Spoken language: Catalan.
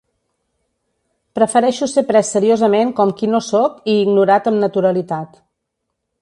Prefereixo ser pres seriosament com qui no sóc i ignorat amb naturalitat.